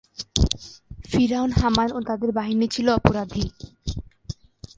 ফিরআউন, হামান ও তাদের বাহিনী ছিল অপরাধী।